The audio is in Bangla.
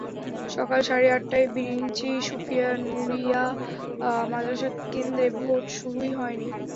সকাল সাড়ে আটটায়ও বিরিঞ্চি সুফিয়া নুরীয়া মাদ্রাসা কেন্দ্রে ভোট শুরুই হয়নি।